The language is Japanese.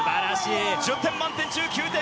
１０点満点中９点！